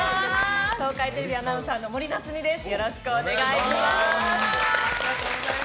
東海テレビアナウンサーの森夏美です。